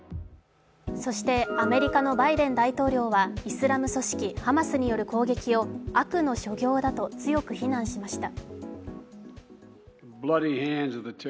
アメリカのバイデン大統領はイスラム組織ハマスによる攻撃を悪の所業だと強く非難しました。